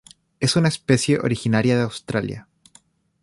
Es una especie originaria de Australia.